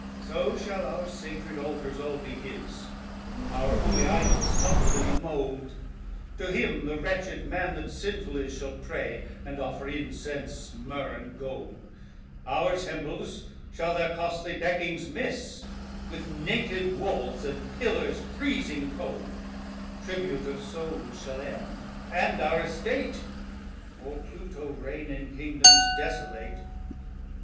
XIV "So shall our sacred altars all be his, Our holy idols tumbled in the mould, To him the wretched man that sinful is Shall pray, and offer incense, myrrh and gold; Our temples shall their costly deckings miss, With naked walls and pillars freezing cold, Tribute of souls shall end, and our estate, Or Pluto reign in kingdoms desolate.